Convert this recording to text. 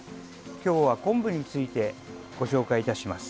今日は、昆布についてご紹介いたします。